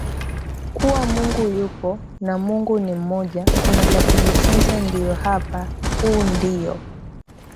kuwa Mungu yupo na Mungu ni mmoja Kuna la kujifunza pia hapa Huu ndio